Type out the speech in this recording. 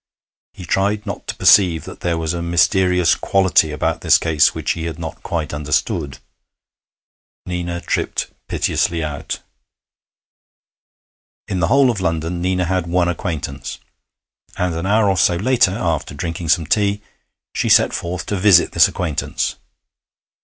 He tried not to perceive that there was a mysterious quality about this case which he had not quite understood. Nina tripped piteously out. In the whole of London Nina had one acquaintance, and an hour or so later, after drinking some tea, she set forth to visit this acquaintance.